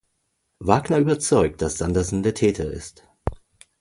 Wagner überzeugt, dass Sanderson der Täter ist.